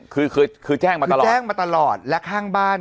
คือคือแจ้งมาตลอดแจ้งมาตลอดและข้างบ้าน